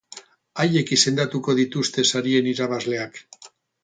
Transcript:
Haiek izendatuko dituzte sarien irabazleak.